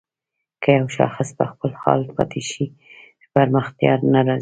که يو شاخص په خپل حال پاتې شي پرمختيا نه راځي.